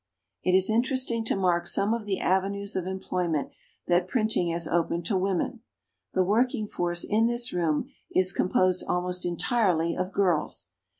] It is interesting to mark some of the avenues of employment that printing has opened to women. The working force in this room is composed almost entirely of girls.